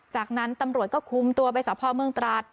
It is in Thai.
จากนั้นตำรวจก็คุมตัวไปศาสตร์ภาคเมืองตราศ